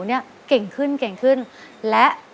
เนี่ยเก่งขึ้นและ